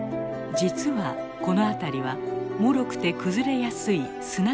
実はこのあたりはもろくて崩れやすい砂地の地質。